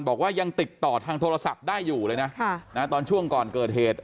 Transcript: บอกว่ายังติดต่อทางโทรศัพท์ได้อยู่เลยนะตอนช่วงก่อนเกิดเหตุ